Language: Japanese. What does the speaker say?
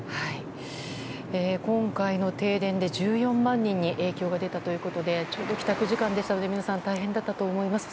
今回の停電で１４万人に影響が出たということでちょうど帰宅時間でしたので皆さん大変だったと思います。